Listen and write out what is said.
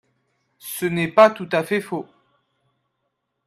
Ce n’est pas tout à fait faux